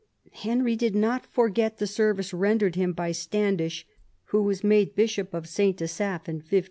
Henry did not forget the service rendered him by Standish, who was made Bishop of St. Asaph in 1518.